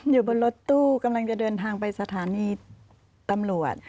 อยู่บนรถตู้กำลังจะเดินทางไปสถานีตำรวจ